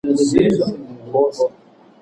د غریبو خلکو ډلي وې راتللې